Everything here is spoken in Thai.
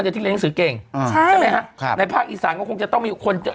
ที่เรียนหนังสือเก่งใช่ไหมฮะในภาคอีสานก็คงจะต้องมีคน